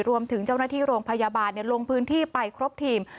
รวมถึงเจ้าหน้าที่โรงพยาบาลลงพื้นที่ไปครบทีม